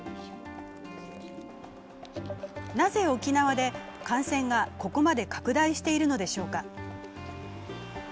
なぜ沖縄で感染がここまで拡大しているのでしょうか。